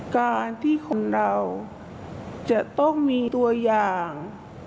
การที่คนเราจะต้องมีตัวอย่าง